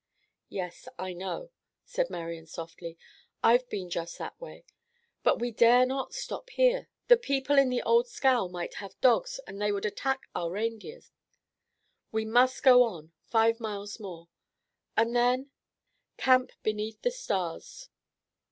"Yes, I know," said Marian softly. "I've been just that way; but we dare not stop here. The people in the old scow might have dogs and they would attack our reindeer. We must go on; five miles more." "And then—" "Camp beneath the stars."